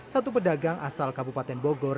satu pedagang asal kabupaten bogor